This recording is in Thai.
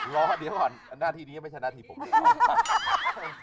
รอเดี๋ยวก่อนหน้าที่นี้ยังไม่ใช่หน้าที่ผมเอง